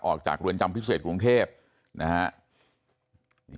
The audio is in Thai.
ออกจากเรือนจำพิเศษกรุงเทพนะฮะ